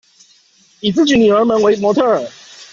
以自己女兒們為模特兒